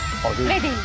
レディー。